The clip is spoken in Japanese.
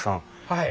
はい。